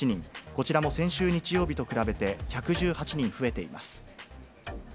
こちらも先週日曜日と比べて１１８人増えています。